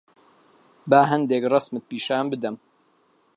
با هەندێک ڕەسمت پیشان بدەم.